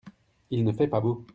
Il ne fait pas beau.